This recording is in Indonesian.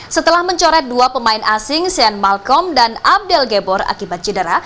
setelah mencoret dua pemain asing sean malcom dan abdel gebor akibat cedera